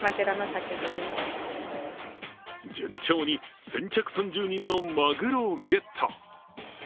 順調に先着３０人のマグロをゲット。